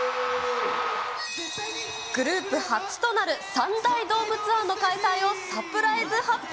グループ初となる３大ドームツアーの開催をサプライズ発表。